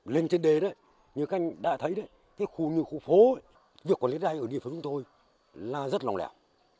lên trên đề đấy như các anh đã thấy đấy cái khu như khu phố việc quản lý ai ở địa phương chúng tôi là rất lòng lẻo